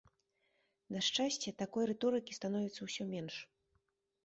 На шчасце, такой рыторыкі становіцца ўсё менш.